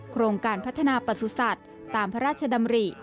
โครงการพัฒนาประสุทธิ์ตามพระราชดำริ